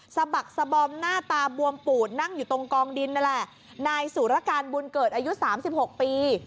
สะบักสะบอมหน้าตาบวมปูดนั่งอยู่ตรงกองดินนั่นแหละนายสุรการบุญเกิดอายุสามสิบหกปี